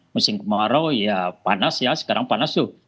musim kemarau ya panas ya sekarang panas tuh